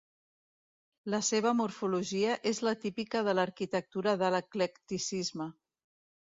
La seva morfologia és la típica de l'arquitectura de l'eclecticisme.